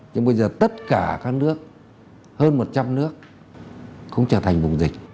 nhưng bây giờ tất cả các nước hơn một trăm linh nước không trở thành vùng dịch